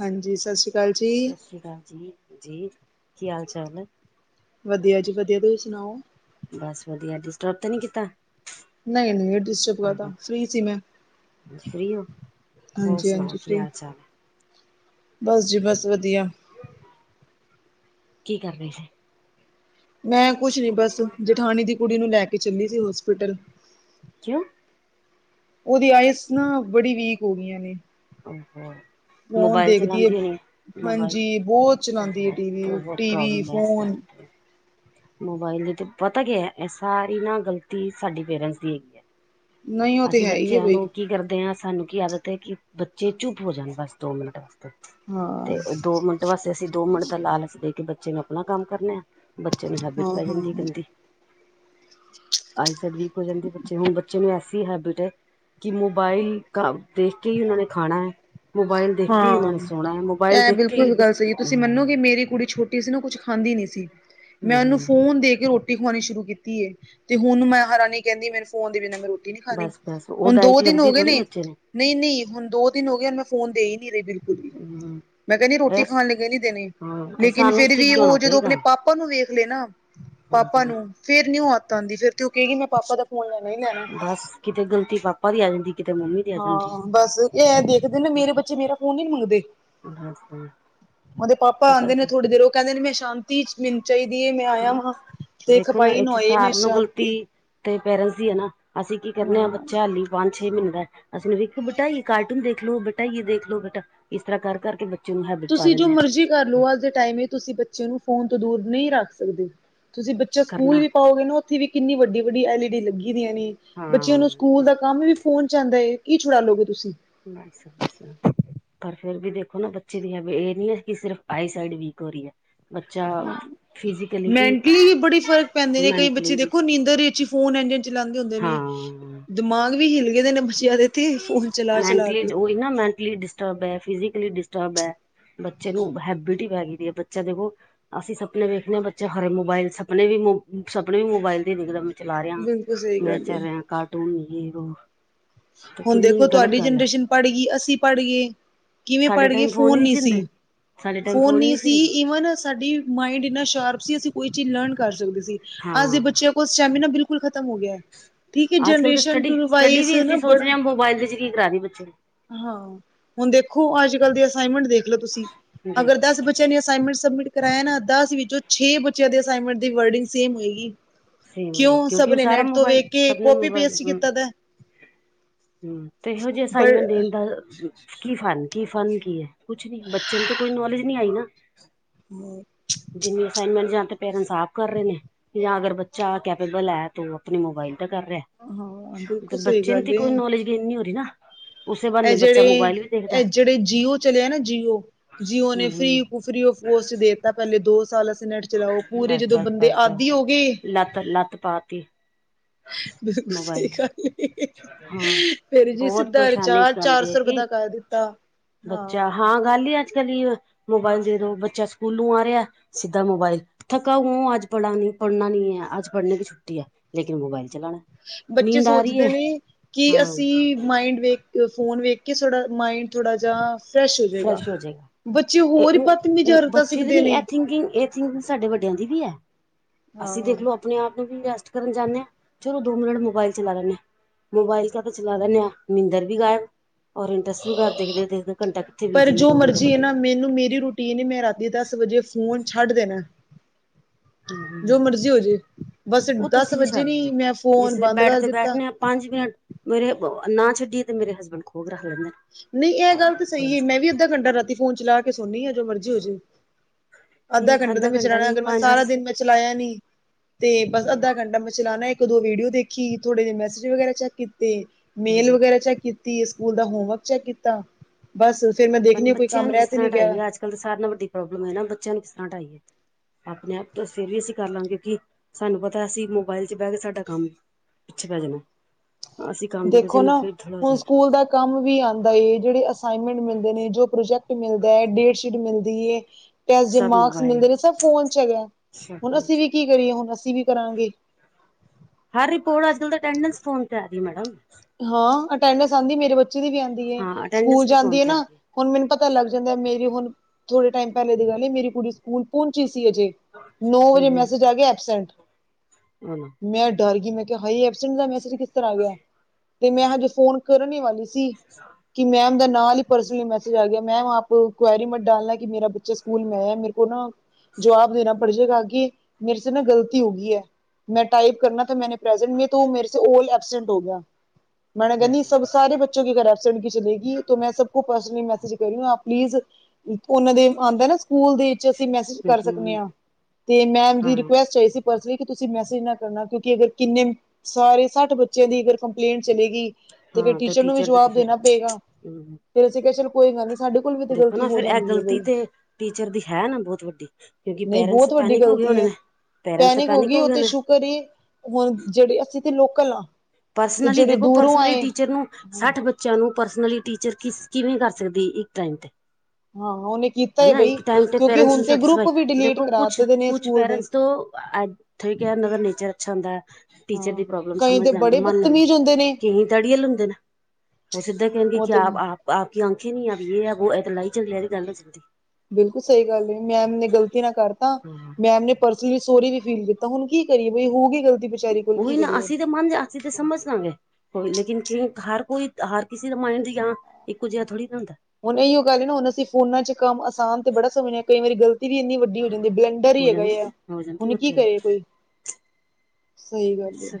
ਹਾਂਜੀ ਸਤਿ ਸ੍ਰੀ ਸਤਿ ਸ਼੍ਰੀ ਅਕਾਲ ਜੀ, ਜੀ ਕੀ ਹਾਲ-ਚਾਲ ਐ? ਵਧੀਆ ਜੀ ਵਧੀਆ, ਤੁਸੀਂ ਸੁਣਾਓ? ਬਸ ਵਧੀਆ ਡਿਸਟਰਬ ਤੇ ਨੀ ਕੀਤਾ? ਨਹੀਂ-ਨਹੀਂ ਡਿਸਟਰਬ ਕਾਦਾ ਫ੍ਰੀ ਸੀ ਮੈਂ। ਫ੍ਰੀ ਹੋ ਹੋਰ ਸੁਣਾਓ ਹਾਂਜੀ-ਹਾਂਜੀ ਕੀ ਫ੍ਰੀ ਹਾਲ ਚਾਲ ਹੈ ਬਸ ਜੀ ਬਸ ਵਧੀਆ। ਕੀ ਕਰ ਰਹੇ ਮੈਂ ਕੁਛ ਨੀ ਬਸ ਜਠਾਣੀ ਦੀ ਕੁੜੀ ਨੂੰ ਲੈ ਕੇ ਚੱਲੀ ਸੀ, ਹੋਸਪਿਟਲ। ਕਿਓ? ਉਹਦੀ ਆਈਸ ਨਾ ਬੜੀ ਵੀਕ ਹੋ ਗਈਆਂ ਨੇ। [unintelligible] ਫੋਨ ਮੋਬਾਈਲ ਦੇਖਦੀ ਹੈ ਚਲਾਉਦੀ ਹੋਣੀ ਮੋਬਾਈਲ ਹਾਂਜੀ ਬਹੁਤ ਚਲਾਉਂਦੀ ਹੈ ਟੀਵੀ ਟੀਵੀ ਫੋਨ [unintelligible] [unintelligible] ਮੋਬਾਇਲ ਦੇ ਤੇ ਪਤਾ ਕੀ ਹੈ, ਇਹ ਸਾਰੀ ਨਾ ਗ਼ਲਤੀ ਸਾਡੀ ਪੇਰੈਂਟਸ ਦੀ ਹੈਗੀ ਹੈ। ਨਹੀਂ ਉਹ ਤੇ ਅਸੀਂ ਹੈ ਹੀ ਹੈ ਬੱਚਿਆਂ ਬਈ ਨੂੰ ਕੀ ਕਰਦੇ ਹਾਂ ਸਾਨੂੰ ਕੀ ਆਦਤ ਹੈ ਕਿ ਬੱਚੇ ਚੁੱਪ ਹੋ ਜਾਣ ਬਸ ਦੋ ਮਿੰਟ ਵਾਸਤੇ। ਤੇ ਹਾਂ ਦੋ ਮਿੰਟ ਵਾਸਤੇ ਅਸੀਂ ਦੋ ਮਿੰਟ ਦਾ ਲਾਲਚ ਦੇ ਕੇ ਬੱਚੇ ਨੂੰ ਆਪਣਾ ਕੰਮ ਕਰਨੇ ਆ। ਬੱਚਿਆਂ ਨੂੰ ਹੈਬਿਟ ਹਾਂ ਪੈ ਜਾਂਦੀ ਹਾਂ ਗੰਦੀ। ਆਈਸ ਵੀਕ ਹੋ ਜਾਂਦੀ ਬੱਚੇ ਹੁਣ ਬੱਚੇ ਨੂੰ ਐਸੀ ਹੈਬਿਟ ਹੈ। ਕਿ ਮੋਬਾਈਲ ਕਬ ਦੇਖ। ਕੀ ਉਹਨਾਂ ਨੇ ਖਾਣਾ ਹੈ। ਮੋਬਾਇਲ ਦੇਖ ਕੇ ਹੀ ਉਹਨਾਂ ਹਾਂ ਨੇ ਸੋਣਾ ਹੈ ਮੋਬਾਇਲ ਇਹ ਦੇਖ ਕੇ ਹੀ ਬਿਲਕੁਲ ਗੱਲ ਸਹੀ ਹੈ ਤੁਸੀਂ ਹਮ ਮੰਨੋਗੇ ਮੇਰੀ ਕੁੜੀ ਛੋਟੀ ਕਿਸੀ ਨੂੰ ਕੁੱਛ ਖਾਂਦੀ ਨੀ ਸੀ, ਮੈਂ ਉਹਨੂੰ ਹਮ ਫੋਨ ਦੇ ਕੇ ਰੋਟੀ ਰੋਟੀ ਖਵਾਣੀ ਸ਼ੁਰੂ ਕੀਤੀ ਏ, ਤੇ ਹੁਣ ਮੈਂ ਹਰਾਨਣੀ ਕਹਿੰਦੀ ਮੈਨੂੰ ਫੋਨ ਦੇ ਬਿਨਾਂ ਮੈਂ ਰੋ ਰੋਟੀ ਨਹੀਂ ਖਾਣੀ ਬਸ ਬਸ ਉਹ ਹੁਣ ਦੋ ਡਾਇਟ ਦਿਨ ਹੋ ਲੱਗਦੀ ਗਏ, ਥੋੜ੍ਹੀ ਨੇ ਬੱਚੇ ਨਹੀਂ ਨਹੀਂ ਹੁਣ ਦੋ ਦਿਨ ਹੋ ਗਏ ਮੈਂ ਫੋਨ ਦੇ ਨੀ ਰਹੇ ਬਿਲਕੁਲ ਵੀ ਹਮ ਮੈਂ ਕਹਿੰਦੀ ਰੋਟੀ ਬਸ ਖਾਣ ਲਈਗੇ ਨੀ ਦੇਣੇ ਹਾਂ ਲੇਕਿਨ ਸਾਨੂੰ ਫੇਰ ਵੀ ਸਟਿਕਡ ਉਹ ਹੋਣਾ ਜਦੋਂ ਆਪਣੇ ਪਾਪਾ ਨੂੰ ਵੇਖ ਲਏ ਨਾ ਪਾਪਾ ਹੂੰ-ਹੂੰ, ਨੂੰ ਫੇਰ ਨੀ ਉਹ ਹੱਥ ਆਂਦੀ ਫੇਰ ਤੇ ਉਹ ਕਹੇਗੀ, ਮੈਂ ਪਾਪਾ ਦਾ ਫੋਨ ਲੈਣਾ ਹੀ ਲੈਣਾ। ਬਸ ਕਿਤੇ ਗਲਤੀ ਪਾਪਾ ਦੀ ਆ ਜਾਂਦੀ ਕਿਤੇ ਮੰਮੀ ਦੀ ਆ ਜਾਂਦੀ ਹਾਂ ਬਸ ਇਹ ਦੇਖਦੇ ਨਾ ਹੈ। ਮੇਰੇ ਬੱਚੇ ਮੇਰਾ ਫੋਨ ਨੀ ਮੰਗਦੇ। ਬਸ ਉਹਦੇ ਪਾਪਾ ਪਤਾ ਆਉਂਦੇ ਨੇ ਕੀ ਥੋੜ੍ਹੀ ਦੇਰ ਉਹ ਕਹਿੰਦੇ ਨੇ ਮੈਂ ਸ਼ਾਮ ਪੀਸ ਮੈਨੂੰ ਚਾਹੀਦੀ ਹੇ ਮੈਂ ਆਇਆ ਵਾਂ ਤੇ ਦੇਖੋ ਖਪਾਈ ਇਹ ਨਾ ਚ ਹੋਏ ਮੈਂ ਸਾਰਿਆਂ ਨੂੰ ਗ਼ਲਤੀ ਸ਼ਾਂਤੀ ਤੇ ਪੇਰੈਂਟਸ ਦੀ ਹੀ ਹੈ ਨਾ ਅਸੀਂ ਕੀ ਕਰਨੇ ਹਾਂ ਬੱਚਿਆਂ ਲੀ ਪੰਜ ਛੇ ਮਹੀਨੇ ਦਾ ਅਸੀਂ ਵੇਖ ਬੇਟਾ ਇਹ ਕਾਰਟੂਨ ਦੇਖ ਲੋ, ਬੇਟਾ ਇਹ ਦੇਖ ਲੋ ਬੇਟਾ ਇਸ ਤਰ੍ਹਾਂ ਕਰ ਕਰਕੇ ਨੂੰ ਹੈਬਿਟ ਪਾ ਤੁਸੀਂ ਜੋ ਦਿੰਦੇ ਮਰਜੀ ਕਰ ਹਾਂ ਲਓ, ਅੱਜ ਦੇ ਟਾਈਮ ਇਚ ਤੁਸੀਂ ਬੱਚੇ ਨੂੰ ਫੋਨ ਤੋਂ ਦੂਰ ਨਹੀਂ ਰੱਖ ਸਕਦੇ। ਤੁਸੀਂ ਬ ਬੱਚਾ ਸਕੂਲ ਕਰਨਾ ਵੀ ਪਾਓਗੇ ਨਾ, ਉੱਥੇ ਵੀ ਕਿੰਨੀ ਵੱਡੀ-ਵੱਡੀ ਐਲ ਈ ਡੀ ਲੱਗੀ ਦੀਆਂ ਨੇ, ਬੱਚਿਆਂ ਨੂੰ ਹਾਂ ਸਕੂਲ ਤੇ ਦਾ ਕੰਮ ਵੀ ਫੋਨ ਚ ਆਂਦਾ ਏ, ਕੀ ਛੁਡਾਲੋਗੇ ਤੁਸੀਂ? [unintelligible] ਪਰ ਫੇਰ ਵੀ ਦੇਖੋ ਨਾ, ਬੱਚੇ ਦੀਆਂ ਇਹ ਨੀ ਹੈ ਕਿ, ਸਿਰਫ ਆਈ ਸਾਈਡ ਵੀਕ ਹੋ ਰਹੀ ਹੈ। ਬੱਚਾ ਹਾਂ, ਮੈਂਟਲੀ ਵੀ ਬੜੀ ਫ਼ਰਕ ਪੈਂਦੇ ਜੇ, ਕਈ ਮੈਂਟਲੀ ਬੱਚੇ ਵੀ ਦੇਖੋ ਨੀਂਦਰ ਫੋਨ ਇੰਨੇ ਚਲਾਉਂਦੇ ਹੁੰਦੇ ਨੇ, ਹਾਂ ਦਿਮਾਗ ਵੀ ਹਿੱਲ ਗਏ ਦੇ ਨੇ ਬੱਚਿਆਂ ਦੇ। ਤੇ ਫੋਨ ਚਲਾ-ਚਲਾ ਕੇ ਮੈਂਟੀਲੀ, ਓਹੀ ਨਾ ਮੈਂਟੀਲੀ ਡਿਸਟਰਬ ਹੈ, ਫਿਜ਼ੀਕਲੀ ਡਿਸਟਰਬ ਹੈ। ਬੱਚੇ ਨੂੰ ਹੈਬਿਟ ਈ ਪੈ ਗਈਦੀ ਹੈ, ਬੱਚਾ ਦੇਖੋ ਅਸੀਂ ਸਪਨੇ ਵੇਖਣੇ ਹਾਂ, ਬੱਚੇ ਹਰੇ ਮੋਬਾਇਲ, ਸਪਨੇ ਵੀ ਮੁ ਸਪਨੇ ਵੀ ਮੋਬਾਈਲ ਦੇ ਵੇਖਦਾ ਚਲਾ ਰਿਆ, ਬਿਲਕੁਲ ਸਹੀ ਮੈਂ ਗੱਲ ਏ। ਚੱਲ ਰਿਹਾ, ਕਾਰਟੂਨ ਯੇ ਵੋਹ। ਹੁਣ ਦੇਖੋ ਤੁਆਡੀ ਜਨਰੇਸ਼ਨ ਪੜ੍ਹ ਗਈ, ਅਸੀਂ ਪੜ੍ਹ ਗਏ। ਕਿਵੇਂ ਸਾਡੇ ਪੜ੍ਹ ਗਏ? ਟਾਈਮ ਫੋਨ ਨਹੀਂ ਨਈ ਹੁੰਦੇ ਸੀ, ਸਾਡੇ ਟਾਈਮ ਫੋਨ ਨਈ ਨਹੀਂ ਸੀ ਹੁੰਦੇ ਈਵਨ ਸਾਡੀ ਮਾਇੰਡ ਇੰਨਾ ਸ਼ਾਰਪ ਸੀ, ਅਸੀਂ ਕੋਈ ਚੀਜ਼ ਲਰਨ ਕਰ ਸਕਦੇ ਸੀ, ਅਜ ਦੇ ਹਾਂ ਬੱਚਿਆਂ ਕੋਲ ਸਟੈਮੀਨਾ ਬਿਲਕੁ ਕੁਲ ਖਤਮ ਹੋ ਗਿਆ ਏ, ਠੀਕ ਏ ਜਨਰੇਸ਼ਨ ਟੂ ਵਾਈਜ਼ ਨਾ ਬੜਾ ਜਿਵੇੰ ਮੋਬਾਇਲ ਦੀ ਡਿਗਰੀ ਕਰਾ ਦੀਏ ਬੱਚੇ ਨੂੰ। ਹਾਂ, ਹੁਣ ਦੇਖੋ ਅੱਜ ਕੱਲ ਦੀ ਅਸਾਈਨਮੈਂਟ ਦੇਖ ਲਓ ਤੁਸੀਂ, ਨੂੰ ਅਗਰ ਦੇਖ ਲਓ ਦਸ ਬੱਚ ਚਿਆਂ ਨੇ ਅਸਾਈਨਮੈਂਟ ਸਬਮਿਟ ਕਰਾਆ ਨਾ, ਦਸ ਵਿੱਚੋਂ ਛੇ ਬੱਚਿਆਂ ਦੇ ਅਸਾਈਨਮੈਂਟ ਦੀ ਵਰਡਿੰਗ ਸੇਮ ਹੋਏਗੀ। ਸੇਮ ਕਿਉਂ? ਕਿਉਂਕਿ ਸਭ ਉਹ ਨੇ ਸਾਰਾ ਨੈਟ ਤੋਂ ਮੋਬਾਇਲ ਵੇਖ ਕੇ, ਸਭ ਨੇ ਕੋਪੀ ਪੇਸਟ ਈ ਮੋਬਾਇਲ ਕੀਤਾ ਦਾ ਐ। ਹੂੰ, ਤੇ ਹਜੇ ਬ ਅਸਾਈਨਮੈਂਟ ਦੇਣ ਹਾਂ ਦਾ ਕੀ ਫਨ, ਕੀ ਫਨ ਕੀ ਏ? ਕੁਛ ਨੀ ਬੱਚੇ ਨੂੰ ਤਾਂ ਕੋਈ ਨੌਲੇਜ ਨਈ ਆਈ ਨਾ? ਹੂੰ। ਜਿੰਨੀ ਅਸਾਈਨਮੈਂਟ ਜਾਂ ਤੇ ਪੇਰੈਂਟਸ ਆਪ ਕਰ ਰਏ ਨੇ, ਯਾ ਅਗਰ ਚਾਹ ਕੈਪੇਬਲ ਹੈ ਤੋਂ ਆਪਣੇ ਮੋਬਾਈਲ ਤੇ ਕਰ ਹਾਂ ਰਿਹਾ, ਬਿਲਕੁਲ ਸਹੀ ਬੱਚੇ ਨੂੰ ਗੱਲ ਤੇ ਕੋਈ ਏ ਨੌਲੇਜ ਗੇਨ ਨੀ ਹੋਰੀ ਨਾ? ਉਸੇ ਬਹਾਨੇ ਇਹ ਬੱਚਾ ਜਿਹੜੇ, ਮੋਬਾਇਲ ਵੀ ਦੇਖਦਾ ਇਹ ਜਿਹੜੇ ਜੀਓ ਚਲੇਆ ਨਾ ਜੀਓ ਜੀਓ ਨੇ ਹੂੰ ਫਰੀ ਹੂੰ ਕੁ, ਫਰੀ ਓ ਕੋਸਟ ਦੇਤਾ, ਪਹਿਲੇ ਦੋ ਸਾਲ ਅਸੀਂ ਨੈਟ ਚਲਾਓ, ਪੂਰੇ ਜਦੋਂ ਬੰਦੇ ਆਦੀ ਹੋ ਗਏ ਲਾਤ, ਲਾਤ ਪਾਤੀ। [inaudible] ਬਿਲਕੁਲ ਸਹੀ ਮੋਬਾਇਲ ਦੀ ਗਲ ਏ, ਹਾਂ ਫੇਰ ਜੀ ਬਹੁਤ ਸਿੱਧਾ ਪਰੇਸ਼ਾਨੀ ਇਸ ਰਿਚਾਰਜ ਗੱਲ ਚਾਰ ਦੀ ਸੌ ਰੁਪਏ ਹੈਗੀ ਦਾ ਕਰ ਦਿੱ ਤਾ। ਬੱਚਾ, ਹਾਂ ਗੱਲ ਈ ਅੱਜ ਕੱਲ ਇਓ ਹੈ ਮੋਬਾਇਲ ਦੇਦੋ, ਬੱਚਾ ਸਕੂਲੋਂ ਆ ਰਿਆ, ਸਿੱਧਾ ਮੋਬਾਇਲ ਥੱਕਾ ਹੂੰ, ਆਜ ਪੜਾ ਨੀ, ਪੜ੍ਹਨਾ ਨਈ ਹੈ, ਅੱਜ ਪੜ੍ਹਨੇ ਕੀ ਛੂਟੀ ਹੈਂ, ਲੇਕਿਨ ਮੋਬਾਇਲ ਚਲਾਣਾ। ਬੱਚੇ ਨੀਂਦ ਆ ਰਹੀ ਹੈ ਸੋਚਦੇ ਨੇ, ਕਿ ਹਾਂ ਅਸੀਂ ਮਾਇੰਡ ਵੇਖ ਕ ਫੋਨ ਵੇਖ ਕੇ, ਸਾੜਾ ਮਾਇੰਡ ਥੋੜ੍ਹਾ ਜਿਹਾ ਫਰੈਸ਼ ਹੋ ਜਾਏਗਾ, ਬੱਚੇ ਹੋਰ ਈ ਇਹ ਬਾਤਮੀਜ ਉਹ ਹਰਕਤਾਂ ਬੱਚੇ ਦੀ ਸਿੱਖਦੇ ਨੀ ਨੇ। ਇਹ ਥਿੰਕਿੰਗ, ਇਹ ਥਿੰਕਿੰਗ ਸਾਡੇ ਵੱਡਿਆਂ ਦੀ ਵੀ ਹੈ। ਅਸੀਂ ਹਾਂ ਦੇਖਲੋ ਅਪਣੇ ਆਪ ਨੂੰ ਵੀ ਰੈਸਟ ਕਰਨ ਜਾਂਣੇ ਆ, ਚਲੋ ਦੋ ਮਿੰਟ ਮੋਬਾਇਲ ਚਲਾ ਲੈਂਣੇ ਹਾਂ। ਮੋਬਾਇਲ ਕਾ ਤੋਂ ਚਲਾ ਦੇਣੇ ਆ, ਨਿੰਦਰ ਵੀ ਗਾਇਬ, ਔਰ ਇੰਟਰਸਟ ਵੀ [unintelligible] ਦੇਖਦੇ-ਦੇਖਦੇ ਕੰਟਾ ਪਰ ਜੋ ਮਰਜ਼ੀ ਹੈ ਨਾ, ਮੈਨੂੰ ਮੇਰੀ ਰੂਟੀਨ ਏ, ਮੈਂ ਰਾਤੀ ਦਸ ਵਜੇ ਫੋਨ ਛੱਡ ਦੇਣਾ ਏ। ਲੱਗਦਾ ਜੋ ਮਰਜ਼ੀ ਹੋਜੇ, ਬਸ ਉੱਥੇ ਦਸ ਅਸੀਂ ਵੀ ਵੱਜੇ ਛੱਡ ਦਿੰਦੇ ਨੀ, ਮੈਂ ਜਿਸ ਫੋਨ ਲੇ ਬੰਦ ਬੈਡ ਕਰ ਤੇ ਦਿੱਤਾ। ਬੈਠਣੇ ਆ ਪੰਜ ਮਿੰਟ, ਮੇਰੇ ਨਾ ਛੱਡੀਏ ਤੇ ਮੇਰੇ ਹਸਬੈਂਡ ਖੋਹ ਕ ਰੱਖ ਲੈਂਦੇ ਨੇ। ਨਈ, ਏਹ ਗੱਲ ਤੇ ਸਈ ਹੈ ਮੈਂ ਵੀ ਅੱਧਾ ਘੰਟਾ ਰਾਤੀ ਫੋਨ ਚਲਾ ਕੇ ਸੋਨੀ ਆ, ਜੋ ਮਰਜ਼ੀ ਹੋਜੇ। ਅੱਧਾ ਨਹੀਂ ਘੰਟੇ ਤੇ ਮੈਂ ਘੰਟਾ ਚਲਾਣਾ, ਨਹੀਂ ਅਗਰ ਮੈਂ ਪੰਜ ਸਾਰਾ ਦਸ ਦਿਨ ਮੈਂ ਚਲਾਇਆ ਨੀ। ਤੇ, ਬਸ ਹੂੰ। ਅੱਧਾ ਘੰਟਾ ਮੈਂ ਚਲਾਣਾ ਇੱਕ ਇੱਕ ਦੋ ਵੀਡੀਓ ਦੇਖੀ, ਥੋੜੇ ਜ ਮੈਸੇਜ ਵਗੈਰਾ ਚੈੱਕ ਕੀਤੇ, ਮੇਲ ਵਗੈਰਾ ਚੈੱਕ ਕਿ ਤੀ, ਸਕੂਲ ਦਾ ਹੋਮਵਰਕ ਚੈੱਕ ਕੀਤਾ। ਬਸ ਫੇਰ ਮੈਂ ਦੇਖਣੀ ਆ, ਕੋਈ ਕੰਮ ਰਹਿ ਤੇ ਨਹੀਂ ਗਿਆ? ਅਜ ਕੱਲ ਤੇ ਸਾਰਿਆਂ ਨਾਲ ਵੱਡੀ ਪ੍ਰੋਬਲਮ ਹੈ ਨਾ, ਬੱਚਿਆਂ ਨੂੰ ਕਿਸ ਤ੍ਹਾਂ ਹਟਾਈਏ? ਆਪਣੇ ਆਪ ਤਾਂ ਫਿਰ ਵੀ ਅਸੀਂ ਕਰ ਲਵਾਂਗੇ ਕਿਉਂਕਿ ਸਾਨੂੰ ਪਤਾ ਅਸੀਂ ਮੋਬਾਇਲ ਚ ਬਹਿ ਕੇ ਸਾਡਾ ਕੰਮ ਪਿੱਛੇ ਪੈ ਜਾਣਾ ਅਸੀਂ ਕੰਮ ਦੀ ਵਜ੍ਹਾ ਦੇਖੋ ਨਾ ਫੇਰ ਥੋੜਾ ਹੁਣ ਜਾਣਾ ਸਕੂਲ ਦਾ ਕੰਮ ਵੀ ਆਉਂਦਾ ਏ ਜਿਹੜੇ ਅਸਾਈਨਮੈਂਟ ਮਿਲਦੇ ਨੇ ਜੋ ਪ੍ਰੋਜੈਕਟ ਮਿਲਦਾ ਹੈ ਡੇਟ ਸ਼ੀਟ ਮਿਲਦੀ ਹੈ। ਟੈਸਟ ਦੇ ਸਭ ਮਾਰਕਸ ਮੋਬਾਇਲ ਮਿਲਦੇ ਸਭ ਫੋਨ ਚ ਹੈਗੇ ਸਭ ਹੁਣ ਫੋਨ ਅਸੀਂ 'ਚ ਵੀ ਕੀ ਕਰੀਏ ਹੁਣ ਅਸੀਂ ਵੀ ਕਰਾਂਗੇ ਹਰ ਰਿਪੋਰਟ ਅੱਜ ਕੱਲ ਅਟੈਂਡੈਂਸ ਫੋਨ ਤੇ ਆ ਰਹੀ ਹੈ ਮੈਡਮ ਹਾਂ ਅਟੈਂਡੈਂਸ ਆਉਂਦੀ ਮੇਰੇ ਬੱਚੇ ਦੀ ਵੀ ਆਉਂਦੀ ਹੈ ਹਾਂ ਸਕੂਲ ਅਟੈਂਡੈਂਸ ਵੀ ਫੋਨ ਜਾਂਦੀ ਤੇ ਆ ਨਾ ਰਹੀ ਹੈ ਹੁਣ ਮੈਨੂੰ ਪਤਾ ਲੱਗ ਜਾਂਦਾ ਮੇਰੀ ਹੁਣ ਥੋੜੇ ਟਾਈਮ ਪਹਿਲੇ ਦੀ ਗੱਲ ਏ ਮੇਰੀ ਕੁੜੀ ਸਕੂਲ ਪਹੁੰਚੀ ਸੀ ਅਜੇ ਨੌ ਹੂੰ ਵਜੇ ਮੈਸੇਜ ਆ ਗਿਆ ਐਬਸੈਂਟ ਹੂੰ ਮੈਂ ਡਰ ਗਈ ਮੈਂ ਕਿਹਾ ਹਾਏ ਐਬਸੈਂਟ ਦਾ ਮੈਸੇਜ ਕਿਸ ਤਰ੍ਹਾਂ ਆ ਗਿਆ ਤੇ ਮੈਂ ਹਜੇ ਫੋਨ ਕਰਨ ਵਾਲੀ ਸੀ ਕਿ ਮੈਮ ਦਾ ਨਾਲ ਹੀ ਪਰਸਨਲੀ ਮੈਸੇਜ ਆ ਗਿਆ ਮੈਮ ਆਪ ਕੁਆਇਰੀ ਮਤ ਡਾਲਣਾ ਕਿ ਮੇਰਾ ਬੱਚਾ ਸਕੂਲ ਮੈਂ ਆਇਆ ਮੇਰੇ ਕੋਲ ਨਾ ਜਵਾਬ ਦੇਣਾ ਪੜ ਜੀਗਾ ਕਿ ਮੇਰੇ ਨਾ ਗ਼ਲਤੀ ਹੋ ਗਈ ਹੈ ਮੈਂ ਟਾਈਪ ਕਰਨਾ ਤਾਂ ਮੈਂ ਮੇਰੇ ਸੇ ਓਲ ਐਬਸੈਂਟ ਹੋ ਗਿਆ ਮੈਂਡਮ ਕਹਿੰਦੀ ਸਭ ਸਾਰੇ ਬੱਚੇ ਐਬਸੈਂਟ ਕੀ ਚਲੇਗੀ ਮੈਂ ਸਭ ਕੋ ਪਰਸਲੀ ਮੈਸਜ ਕਰ ਪਲੀਜ਼ ਉਹਨਾਂ ਦੇ ਆਉਂਦਾ ਨਾ ਸਕੂਲ ਦੇ ਵਿੱਚ ਅਸੀਂ ਮੈਸੇਜ ਕਰ ਸਕਦੇ ਹੂੰ, ਹਾਂ ਤੇ ਮੈਮ ਦੀ ਹਾਂ, ਰਿਕੁਐਸਟ ਆਈ ਸੀ। ਕਿ ਤੁਸੀਂ ਮੈਸੇਜ ਨਾ ਕਰਨਾ ਕਿਉਂਕਿ ਅਗਰ ਕਿੰਨੇ ਸਾਰੇ ਸੱਠ ਬੱਚਿਆਂ ਦੀ ਅਗਰ ਕੰਪਲੇਂਟ ਚਲੇਗੀ ਤੇ ਫਿਰ ਹਾਂ ਟੀਚਰ ਨੂੰ ਵੀ ਦੇ ਤੇ ਜਵਾਬ ਫਿਰ ਦੇਣਾ ਪਏਗਾ ਹੂੰ, ਫੇਰ ਅਸੀਂ ਕਿਹਾ ਚਲ ਕੋਈ ਗੱਲ ਨੀ ਸਾਡੇ ਕੋਲ ਵੀ ਤੇ ਦੇਖੋ ਗ਼ਲਤੀ ਨਾ ਹੋ ਫਿਰ ਇਹ ਜਾਂਦੀ ਹੈ ਬਈ ਗ਼ਲਤੀ ਤੇ ਟੀਚਰ ਦੀ ਹੈ ਨਾ ਬਹੁਤ ਵੱਡੀ ਕਿਉਂਕਿ ਨਹੀਂ ਪੇਰੈਂਟਸ ਬਹੁਤ ਵੱਡੀ ਪੈਨਿਕ ਹੋ ਗਏ ਗਲਤੀ ਹੋਣੇ ਹੈ ਨੇ ਪੇਰੈਂਟਸ ਤੇ ਪੈਨਿਕ ਹੋ ਗਈ ਉਹ ਗਏ ਤੇ ਨੇ ਸ਼ੁੱਕ ਘਰੀ ਹੁਣ ਜਿਹੜੇ ਅਸੀਂ ਤੇ ਲੋਕਲ ਆ। ਤੇ ਪਰਸਨਲੀ ਜਿਹੜੇ ਦੇਖੋ ਦੂਰੋਂ ਪਰਸਨਲੀ ਆਏ ਟੀਚਰ ਨੂੰ ਸੱਠ ਬੱਚ ਬੱਚਿਆਂ ਨੂੰ ਪਰਸਨਲੀ ਟੀਚਰ ਕਿਸ ਕਿਵੇਂ ਕਰ ਸਕਦੀ ਇੱਕ ਟਾਈਮ ਤੇ। ਹਾਂ ਉਹਨੇ ਕੀਤਾ ਹੈ ਹਨਾ ਬਈ ਇੱਕ ਟਾਈਮ ਤੇ ਕਿਉਂਕਿ ਪੇਰੈਂਟਸ ਨੂੰ ਹੁਣ ਤੇ ਸੈਟਿਸਫਾਏ ਗਰੁੱਪ ਵੀ ਡਿਲੀਟ ਦੇਖੋ ਕਰਾ ਕੁਛ, ਦਿੱਤੇ ਦੇ ਨੇ ਕੁਛ ਸਕੂਲ ਦੇ ਪੇਰੈਂਟਸ ਤੋਂ ਠੀਕ ਹੈ ਇਹਨਾਂ ਦਾ ਨੇਚਰ ਅੱਛਾ ਹੁੰਦਾ ਹੈ। ਟੀਚਰ ਹਾਂ ਦੀ ਪ੍ਰੋਬਲਮ ਕਈ ਸਮਝ ਤੇ ਲੈਣਗੇ ਬੜੇ ਮੰਨ ਲੈਨਗੇ ਬਦਤਮੀਜ਼ ਹੁੰਦੇ ਨੇ ਕਈ ਅੜੀਅਲ ਹੁੰਦੇ ਨੇ ਉਹ ਸਿੱਧਾ ਕਹਿਣਗੇ ਉਹ ਕਿ ਤੇ ਆਪ ਆਪ ਆਪ ਕੀ ਆਂਖੇ ਨੀ ਆ ਵੀ ਇਹ ਆ ਇਹ ਤਾਂ ਲਾਈ ਚੱਲਿਆ ਇਹ ਦੀ ਗੱਲ ਜਾਂਦੀ ਬਿਲਕੁਲ ਸਹੀ ਗੱਲ ਨਹੀਂ ਮੈਮ ਨੇ ਗਲਤੀ ਨਾ ਕਰਤਾ ਮੈਮ ਨੇ ਪਰਸਨਲੀ ਸੋਰੀ ਵੀ ਫੀਲ ਕੀਤਾ ਹੁਣ ਕੀ ਕਰੀਏ ਬਈ ਹੋਊਗੀ ਗਲਤੀ ਉਹੀ ਨਾ ਅਸੀਂ ਤਾਂ ਮੰਨ ਲਿਆ ਅਸੀਂ ਤਾਂ ਸਮਝ ਲਵਾਂਗੇ ਕੋ ਲੇਕਿਨ ਹਰ ਕੋਈ ਹਰ ਕਿਸੇ ਦਾ ਮਾਇੰਡ ਜਾਂ ਇੱਕੋ ਜਿਹਾ ਥੋੜ੍ਹੀ ਨਾ ਹੁੰਦਾ ਹੁਣ ਇਹੀ ਉਹ ਗੱਲ ਹੈ ਹੁਣ ਅਸੀਂ ਫੋਨਾ ਚ ਕੰਮ ਆਸਾਨ ਤੇ ਬੜਾ ਸਮਝ ਹਾਂ ਕਈ ਵਾਰੀ ਗਲਤੀ ਵੀ ਇੰਨੀ ਵੱਡੀ ਹੋ ਜਾਂਦੀ ਬਲੈਂਡਰ ਹੀ ਹੋ ਹੈਗਾ ਜਾਂਦੀ ਹੈ ਹੋ ਜਾਂਦੀ ਹੁਣ ਕੀ ਉੱਥੇ ਕਰੇ ਕੋਈ ਸਹੀ ਗੱਲ ਬਸ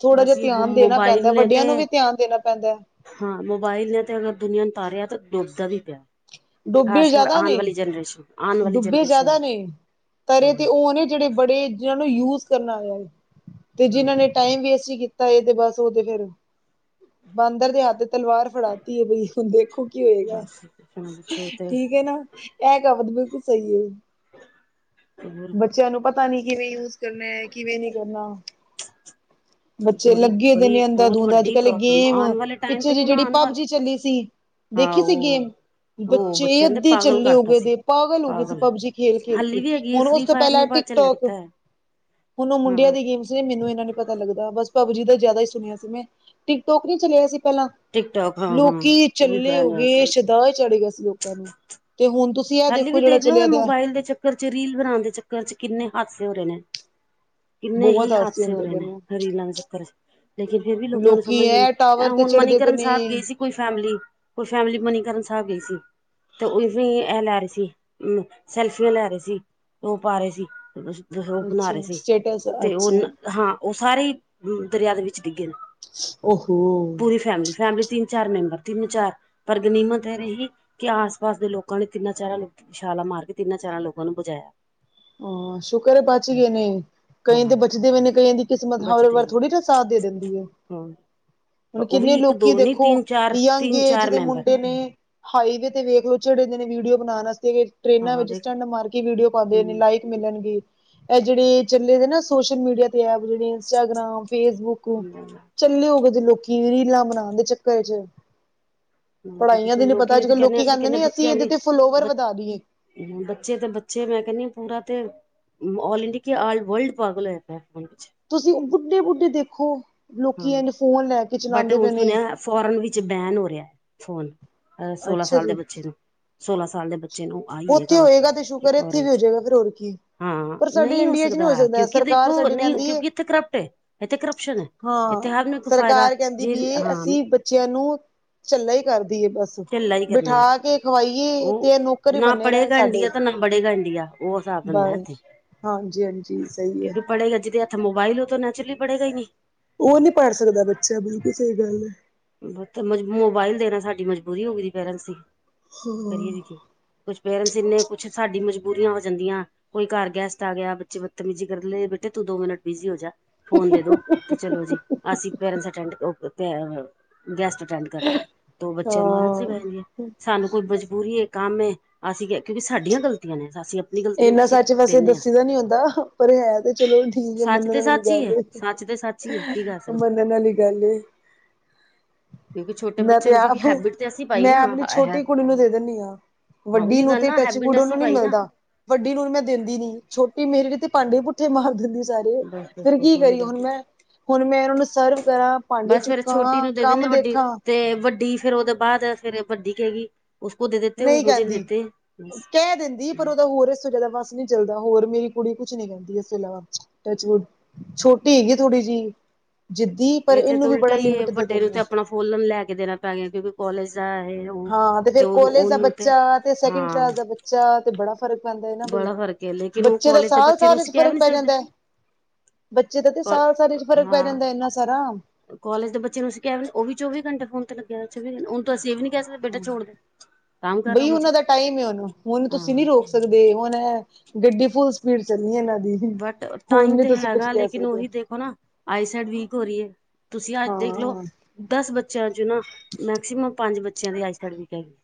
ਥੋੜਾ ਬਸ ਜਿਹਾ ਇਹ ਧਿਆਨ ਦੇਣਾ ਮੋਬਾਇਲ ਪੈਂਦਾ ਨੇ ਵੱਡਿਆਂ ਤੇ ਨੂੰ ਵੀ ਧਿਆਨ ਦੇਣਾ ਪੈਂਦਾ ਹਾਂ ਮੋਬਾਇਲ ਨੇ ਤੇ ਅਗਰ ਦੁਨੀਆਂ ਨੂੰ ਤਾਰਿਆ ਤਾਂ ਡੁੱਬਦਾ ਵੀ ਪਿਆ ਡੁੱਬੇ ਖਾਸ ਕਰ ਜ਼ਿਆਦਾ ਨੇ ਆਉਣ ਵਾਲੀ ਜਨਰੇਸ਼ਨ ਆਉਣ ਵਾਲੀ ਡੁੱਬੇ ਜਨਰੇਸ਼ਨ ਜ਼ਿਆਦਾ ਨੇ ਤਰੇ ਵੀ ਤੇ ਉਹ ਨੇ ਜਿਹੜੇ ਬੜੇ ਜਿਨ੍ਹਾਂ ਨੂੰ ਯੂਜ ਕਰਨਾ ਆ ਤੇ ਹਾਂ ਜਿਨ੍ਹਾ ਨੇ ਟਾਈਮ ਵੇਸਟ ਈ ਕੀਤਾ ਏ ਤੇ ਬਸ ਉਹਦੇ ਫਿਰ, ਬਾਂਦਰ ਦੇ ਹੱਥ ਤਲਵਾਰ ਫੜਾ ਧੀ ਪਈ ਹੁਣ ਦੇਖੋ ਕੀ ਹੋਏਗਾ। ਹੂੰ ਠੀਕ ਏ ਨਾ ਇਹ ਕਾਵਤ ਬਿਲਕੁੱਲ ਸਈ ਏ। ਹੋਰ ਬੱਚਿਆਂ ਨੂੰ ਪਤਾ ਨੀ ਕਿਵੇਂ ਯੂਜ ਕਰਨਾ ਐ ਕਿਵੇਂ ਨੀ ਕਰਨਾ। [inaudible] ਬੱਚੇ ਲੱਗੇ ਦੇ ਬੜੀ ਨੇ ਅੰਦਾ ਬਹੁਤ ਦੂੰਦਾ ਵੱਡੀ ਅੱਜ-ਕੱਲ੍ਹ ਪ੍ਰੋਬਲਮ ਗੇਮ ਆਣ ਵਾਲੇ ਟਾਈਮ ਪਿੱਛੇ ਤੇ ਜਿਹੀ ਕੋਣ ਜਿਹੜੀ ਆਣ ਵਾਲ ਪਬਜੀ ਚੱਲੀ ਸੀ। ਹਾਂ ਦੇਖੀ ਸੀ ਗੇਮ? ਉਹ ਉਹ ਬੱਚੇ ਈ ਬੱਚਿਆਂ ਦੇ ਅੱਧੇ ਪਾਗਲ ਚੱਲੇ ਹੋ ਕਰਤਾ ਗਏ ਸੀ ਦੇ ਪਾਗਲ ਹੋ ਗਏ ਸੀ ਪਬਜੀ ਖੇਲ-ਖੇਲ ਕੇ। ਹਾਲੀ ਵੀ ਹੈਗੀ ਹੈ ਹੁਣ ਉਸ ਫ੍ਰਰੀ ਤੋਂ ਫਾਇਰ ਨੇ ਪਹਿਲਾਂ ਬਾਅਦ ਟਿਕ ਚ ਟੋਕ ਲੱਗਦਾ ਹੈ ਹੁਣ ਉਹ ਮੁੰਡਿਆਂ ਹਾਂ ਦੀ ਗੇਮਸ ਨੇ ਮੈਨੂੰ ਇਹਨਾਂ ਨੀ ਪਤਾ ਲੱਗਦਾ ਬਸ ਪਬਜੀ ਦਾ ਜਿਆਦਾ ਈ ਸੁਣਿਆ ਸੀ ਮੈਂ ਟਿਕ ਟੋਕ ਵੀ ਚਲਿਆ ਸੀ ਪਹਿਲਾਂ ਟਿਕਟੋਕ ਹਾਂ ਹਾਂ ਲੋਕੀ ਉਹ ਵੀ ਝੱਲੇ ਹੋ ਬੈਨ ਹੋਇਆ ਗਏ ਸੀ ਸ਼ਦਾਅ ਚੜ ਗਿਆ ਸੀ ਲੋਕਾਂ ਨੂੰ ਤੇ ਹੁਣ ਤੁਸੀਂ ਇਹ ਹਾਲੀ ਦੇਖੋ ਵੀ ਜਿਹੜਾ ਦੇਖ ਲੋ ਚਲਿਆ ਇਹ ਦਾ ਮੋਬਾਇਲ ਦੇ ਚੱਕਰ 'ਚ ਰੀਲ ਬਣਾਣ ਦੇ ਚੱਕਰ 'ਚ ਕਿੰਨੇ ਹਾਦਸੇ ਹੋ ਰਹੇ ਨੇ। ਕਿੰਨੇ ਬਹੁਤ ਹੀ ਹਾਸੇ ਹਾਦਸੇ ਹੋ ਹੁੰਦੇ ਰਹੇ ਪਏ ਨੇ ਰੀਲਾਂ ਦੇ ਚੱਕਰ 'ਚ ਲੇਕਿਨ ਫਿਰ ਵੀ ਲੋਕਾਂ ਨੂੰ ਲੋਕੀ ਸਮਝ ਨੀ ਇਹ ਆਂ ਐ ਟਾਵਰ ਤੇ ਹੁਣ ਚੜ੍ਹਦੇ ਪਏ ਮਨੀਕਰਣ ਸਾਹਿਬ ਨੇ ਗਏ ਸੀ। ਕੋਈ ਫੈਮਿਲੀ ਕੋਈ ਫੈਮਿਲੀ ਮਨੀਕਰਣ ਸਾਹਿਬ ਗਈ ਸੀ ਤੇ ਉਹੀ ਇਹ ਲੈ ਰਹੇ ਸੀ ਹੂੰ ਸੈਲਫੀਆਂ ਲੈ ਰਹੇ ਸੀ ਉਹ ਪਾ ਰਹੇ ਸੀ। ਬਲੋਗ ਬਣਾ ਅੱਛਾ ਰਹੇ ਸੀ ਸਟੇਟਸ ਤੇ ਉਹ ਅੱਛਾ ਹਾਂ ਉਹ ਸਾਰੇ ਈ ਦਰਿਆ ਦੇ ਵਿੱਚ ਡਿੱਗੇ ਨੇ। ਓਹੋ ਪੂਰੀ ਫੈਮਲੀ-ਫੈਮਲੀ ਤਿੰਨ ਚਾਰ ਮੈਂਬਰ ਤਿੰਨ ਚਾਰ ਪਰ ਗਨੀਮਤ ਇਹ ਰਹੀ ਕਿ ਆਸ ਪਾਸ ਦੇ ਲੋਕ ਲੋਕਾਂ ਨੇ ਤਿੰਨਾਂ ਚਾਰਾਂ ਨੂੰ ਛਾਲਾਂ ਮਾਰ ਕੇ ਤਿੰਨਾਂ ਚਾਰਾਂ ਲੋਕਾਂ ਨੂੰ ਬਚਾਇਆ। ਹਾਂ ਸ਼ੁਕਰ ਏ ਬੱਚ ਗੇ ਨੇ ਕਈ ਹਾਂ ਦੇ ਬੱਚਦੇ ਵੀ ਨਹੀਂ ਕਈਆਂ ਦੀ ਕਿਸਮਤ ਹਰ ਬਚਦੇ ਹੀ ਵਾਰ ਨੇ ਥੋੜੀ ਨਾ ਸਾਥ ਦੇ ਦਿੰਦੀ ਏ। ਹਾਂ ਹੁਣ ਉਹ ਵੀ ਕਿੰਨੇ ਇੱਕ ਲੋਕੀ ਦੋ ਨੀ ਦੇਖੋ ਤਿੰਨ ਚਾਰ ਯੰਗ ਤਿੰਨ ਏਜ ਚਾਰ ਦੇ ਮੈਂਬਰ ਮੁੰਡੇ ਨੇ। ਹਾਈਵੇ ਤੇ ਵੇਖ ਲੋ ਚੜ ਦੇ ਨੇ ਵੀਡੀਓ ਬਣਾਣ ਅਸਤੇ ਵੇ ਟ੍ਰੇਨਾਂ ਹਾਂ ਵਿਚ ਦੇਖ ਸਟੰਟ ਮਾਰ ਕੇ ਵੀਡੀਓ ਪਾਂਦੇ ਨੇ ਹੂੰ ਲਾਈ ਮਿਲਣਗੇ ਇਹ ਜਿਹੜੇ ਚੱਲੇ ਦੇ ਨਾ ਸੋਸ਼ਲ ਮੀਡੀਆ ਤੇ ਐਪ ਜਿਹੜੇ ਇੰਸਟਾਗ੍ਰਾਮ ਫੇਸਬੁਕ ਝੱਲੇ ਹੋਗੇ ਜੇ ਲੋਕੀ ਰੀਲਾਂ ਬਣਾਣ ਦੇ ਚੱਕਰ 'ਚ ਹਾਂਜੀ ਪੜ੍ਹਾਈਆਂ ਕੁਛ ਦੇ ਨੀ ਪਤਾ ਲੋਕੀ ਤੇ ਅੱਜ-ਕੱਲ ਲੋਕੀ ਕਹਿੰਦੇ ਨੇ ਅਸੀਂ ਇਹਦੇ ਤੇ ਫਲੋਵਰ ਵਧਾ ਦੀਏ। ਹੂੰ ਬੱਚੇ ਤੇ ਬੱਚੇ ਮੈਂ ਕਹਿੰਨੀ ਪੂਰਾ ਤੇ ਔਲ ਇੰਡੀਆ ਕਿ ਆਲ ਵਰਲਡ ਪਾਗਲ ਹੋਇਆ ਪਿਆ 'ਚ ਤੁਸੀਂ ਬੁੱਢੇ-ਬੁੱਢੇ ਦੇਖੋ ਹਾਂ ਲੋਕੀ ਐਨ ਫੋਨ ਲੈ ਕੇ ਬਟ ਚਲਾਉਂਦੇ ਹੁਣ ਪਏ ਨੇ ਸੁਣਿਆ ਫੋਰਨ ਵਿੱਚ ਬੈਨ ਹੋ ਰਿਹਾ ਹੈ ਫੋਨ ਅਹ ਸੋਲਾਂ ਸਾਲ ਦੇ ਬੱਚੇ ਨੂੰ ਸੋਲਾਂ ਸਾਲ ਦੇ ਬੱਚੇ ਨੂੰ ਆਈ ਹੈ ਉਥੇ ਖ਼ਬਰ ਹੋਏਗਾ ਤੇ ਕਿ ਸ਼ੁਕਰ ਏ ਇਥੇ ਫੋਰਨ ਵੀ ਹੋ ਚ ਜਾਏਗਾ ਫਿਰ ਹੋਰ ਕੀ ਹਾਂ ਪਰ ਸਾਡੇ ਇੰਡੀਆ 'ਚ ਨਹੀਂ ਹੋ ਸਕਦਾ ਕਿਉਂਕਿ ਸਰਕਾਰ ਦੇਖੋ ਸਾਡੀ ਨਹੀਂ ਕਹਿੰਦੀ ਹੈ। ਕਿਉਂਕਿ ਇੱਥੇ ਕਰਪਟ ਹੈ ਇੱਥੇ ਕਰਪਸ਼ਨ ਹੈ ਇੱਥੇ ਹਾਂ ਹਰ ਨੂੰ ਇੱਕ ਫਾਇਦਾ ਸਰਕਾਰ ਕਹਿੰਦੀ ਜੇ ਵੀ ਇਹ ਹਾਂ ਅਸੀ ਬ ਬੱਚਿਆਂ ਨੂੰ ਝੱਲਾ ਈ ਕਰਦੀ ਏ ਬਸ ਢਿੱਲਾ ਹੀ ਕਰਨਾ ਹੈ ਬਿਠਾ ਕੇ ਖਵਾਈਏ ਤੇ ਉਹ ਇਹ ਨੂੰ ਨਾ ਪੜ੍ਹੇਗਾ ਇੰਡੀਆ ਤੇ ਨਾ ਬੜੇਗਾ ਇੰਡੀਆ ਉਹ ਹਿਸਾਬ ਬਣਾ ਬਸ ਐਥੇ ਹਾਂਜੀ ਹਾਂਜੀ ਸਹੀ ਹੈ ਕਿਉਂਕਿ ਪੜੇਗਾ ਜਿਹਦੇ ਹੱਥ ਮੋਬਾਈਲ ਉਹ ਤਾਂ ਨੈਚੁਰਲੀ ਪੜੇਗਾ ਈ ਨੀ। ਉਹ ਨੀ ਪੜ੍ਹ ਸਕਦਾ ਬੱਚਾ ਬਿਲਕੁੱਲ ਸਹੀ ਗੱਲ ਏ। ਵੋ ਤਾ ਮਜ ਮੋਬਾਇਲ ਦੇਣਾ ਸਾਡੀ ਮਜਬੂਰੀ ਹੋ ਗਈ ਰੀ ਪੇਰੈਂਟਸ ਦੀ ਕਰੀਏ ਹਾਂ ਵੀ ਕੀ ਕੁਛ ਪੇਰੈਂਟਸ ਇੰਨੇ ਕੁਛ ਸਾਡੀ ਮਜਬੂਰੀਆਂ ਹੋ ਜਾਂਦੀਆਂ। ਕੋਈ ਘਰ ਗੈਸਟ ਆ ਗਿਆ ਬੱਚੇ ਬਦਤਮੀਜੀ ਕਰਲੇ ਬੇਟੇ ਤੂੰ ਦੋ ਮਿੰਨਟ ਬਿਜੀ ਹੋ ਜਾ। ਫੋਨ ਦੇ ਦੋ ਤੇ ਚਲੋ ਜੀ ਅਸੀਂ ਪੇਰੈਂਟਸ ਅਟੈਂਡ ਓ ਤੇ ਅ ਗੈਸਟ ਅਟੈਂਡ ਕਰ ਲੈ ਤੋਂ ਬੱਚਿਆਂ ਨੂੰ ਆਦਤ ਸੀ ਹਾਂ ਪੈਗੀ ਏ ਸਾਨੂੰ ਕੋਈ ਮਜਬੂਰੀ ਏ। ਕੰਮ ਏ ਅਸੀਂ ਕਿਉਂਕਿ ਸਾਡੀਆਂ ਗਲਤੀਆਂ ਨੇ ਅਸੀ ਅ ਇੰਨਾ ਸੱਚ ਵੈਸੇ ਦੱਸੀ ਦਾ ਨੀ ਹੁੰਦਾ ਪਰ ਹੈ ਤੇ ਚਲੋ ਠੀਕ ਐ ਸੱਚ ਤੇ ਮੰਨਣ ਨਾਲੀ ਸੱਚ ਹੀ ਗੱਲ ਹੈ ਏ। ਸੱਚ ਤੇ ਸੱਚ ਹੀ ਹੈ ਕੀ ਕਰ ਸਕਦੇ ਮਨੰਣ ਆਲੀ ਗੱਲ ਏ। ਕਿਉਂਕਿ ਛੋਟੇ ਮੈਂ ਤੇ ਬੱਚਿਆਂ ਨੂੰ ਆਪ ਕਿਉਂ ਹੈਬਿਟ ਤੇ ਅਸੀਂ ਪਾਈ ਮੈਂ ਨਾ ਆਪਣੀ ਹੈ। ਛੋਟੀ ਕੁੜੀ ਨੂੰ ਦੇ ਦਿੰਦੀ ਹਾਂ ਹਾਂ ਵੱਡੀ ਉਹੀ ਨੂੰ ਗੱਲ ਤੇ ਨਾ ਟੱਚਵੁਡ ਹੈਬਿਟਸ ਹੀ ਉਹਨੂੰ ਨੀ ਪਾਈ ਨਾ। ਮਿਲਦਾ ਵੱਡੀ ਨੂੰ ਮੈਂ ਦਿੰਦੀ ਨੀ ਛੋਟੀ ਮੇਰੇ ਤੇ ਭਾਂਡੇ ਪੁੱਠੇ ਮਾਰ ਦਿੰਦੀ ਸਾਰੇ ਬਸ- ਫਿਰ ਬਸ-ਬਸ ਕੀ ਉਹੀ ਕਰੀ ਗੱਲ ਹੁਣ ਹੀ। ਮੈਂ ਹੁਣ ਮੈਂ ਇਹਨਾਂ ਨੂੰ ਸਰਵ ਕਰਾਂ ਭਾਂਡੇ ਬਸ ਫਿਰ ਛੋਟੀ ਚੁੱਕਾਂ ਨੂੰ ਦੇ ਕੰਮ ਦਿੰਨੇ ਵੱਡੀ ਦੇਖਾਂ ਤੇ ਵੱਡੀ ਫਿਰ ਉਹਦੇ ਬਾਅਦ ਸਵੇਰੇ ਵੱਡੀ ਕਹਿ ਗਈ। ਨਹੀਂ ਕਹਿੰਦੀ ਕਹਿ ਦਿੰਦੀ ਪਰ ਉਹਦਾ ਹੋਰ ਇਸ ਸੋ ਜਿਆਦਾ ਵੱਸ ਨਹੀਂ। ਚੱਲਦਾ ਹੋਰ ਮੇਰੀ ਕੁੜੀ ਕੁਛ ਨੀ ਕਹਿੰਦੀ ਇਸ ਤੋ ਇਲਾਵਾ ਟੱਚਵੁੱਡ ਛੋਟੀ ਹੈਗੀ ਥੋੜੀ ਜਿਹੀ ਜਿੱਦੀ ਪਰ ਇਹਨੂੰ ਵੀ ਬੜਾ ਲਿਮਿਟ ਦੇ ਦੇਣੀ ਆ। ਫੋਨ ਲੈ ਕੇ ਦੇਣਾ ਪੈ ਗਿਆ ਕਿਉਂਕਿ ਕੋਲਜ ਜਾਏ ਓਹ ਹਾਂ ਤੇ ਫੇਰ ਕੋਲੇਜ ਦਾ ਬੱਚਾ ਤੇ ਸੈਕਿੰਡ ਹਾਂ ਕਲਾਸ ਦਾ ਬੱਚਾ ਤੇ ਬੜਾ ਫਰਕ ਪੈਂਦਾ ਹੈ ਨਾ ਬਈ ਬੜਾ ਫ਼ਰਕ ਹੈ ਲੇਕਿਨ ਉਹ ਬੱਚੇ ਦਾ ਕੋਲਜ ਦੇ ਸਾਲ, ਬੱਚੇ ਨੂੰ ਸਾਲ ਚ ਅਸੀਂ ਕਹਿ ਵੀ ਫ਼ਰਕ ਨਹੀਂ ਪੈ ਸਕਦੇ ਜਾਂਦਾ ਹੈ। ਬੱਚੇ ਦਾ ਤੇ ਸਾਲ ਸਾਲ ਚ ਫ਼ਰਕ ਪੈ ਜਾਂਦਾ ਇਨਾ ਸਾਰਾ। ਕੋਲੇਜ ਦੇ ਬੱਚੇ ਨੂੰਸੀਂ ਕਿਹਾ ਵੀ ਉਹ ਵੀ ਚੌਵੀ ਘੰਟ ਫੋਨ ਤੇ ਲੱਗਿਆ ਚੌਵੀ ਘੰਟ ਹੁੂੰ ਅਸੀਂ ਇਹ ਵੀ ਨੀ ਕਹ ਸਕਦੇ। ਬੇਟਾ ਹਾਂ ਛੋੜ ਦੇ ਕੰਮ ਕਰ ਰਹਾ ਬਈ ਮੁਝੇ ਉਹਨਾਂ ਦਾ ਟਾਈਮ ਹੈ, ਉਹਨੂੰ ਉਹਨੂੰ ਤੁਸੀਂ ਹਾਂ ਨੀ ਰੋਕ ਸਕਦੇ। ਦੇ ਹੁਣ ਗੱਡੀ ਫੁੱਲ ਸਪੀਡ ਚੱਲੀ ਹੈ ਇਹਨਾਂ ਦੀ। ਬਟ ਹੁਣ ਟਾਈਮ ਨੀ ਤੇ ਤੁਸੀਂ ਕੁਛ ਹੈਗਾ, ਕਹਿ ਲੇਕਿਨ ਸਕਦੇ ਉਹੀ ਦੇਖੋ ਨਾ ਆਈਸਾਈਡ ਵੀਕ ਹੋ ਰਹੀ ਹੈ। ਤੁਸੀਂ ਅੱਜ ਦੇਖਲਓ। ਹਾਂ। ਦਸ ਬੱਚਿਆਂ ਚ ਨਾ ਮੈਕਸੀਮਮ ਪੰਜ ਬੱਚਿਆਂ ਦੀ ਆਈ ਸਡ ਵੀਕ ਹੈਗੀ।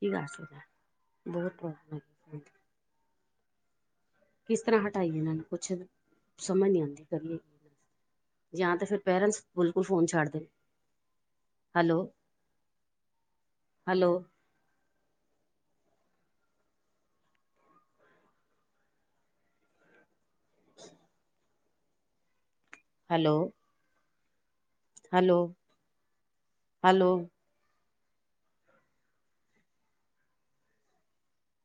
ਕੀ ਕਰ ਸਕਦਾ, ਬਹੁਤ ਪ੍ਰੋਬਲਮ ਏ। ਕਿਸ ਤਰ੍ਹਾਂ ਹਟਾਈ ਇਹਨਾਂ ਨੂੰ ਕੁਛ ਸਮਝ ਨਹੀਂ ਆਉਂਦੀ ਕਰੀਏ ਕਿ। ਜਾ ਤਾਂ ਫੇਰ ਪੇਰੈਂਟਸ ਬਿਲਕੁਲ ਫੋਨ ਛੱਡ ਦੇਣ hello. Hello. [inaudible] Hello. Hello, hello.